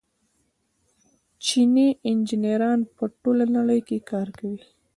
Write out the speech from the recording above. چیني انجنیران په ټوله نړۍ کې کار کوي.